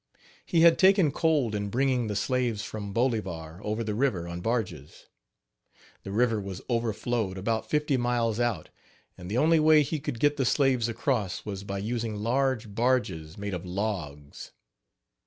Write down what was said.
He had taken cold in bringing the slaves from Bolivar over the river on barges. The river was over flowed about fifty miles out, and the only way he could get the slaves across was by using large barges made of logs.